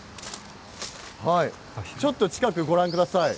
ちょっと近くをご覧ください。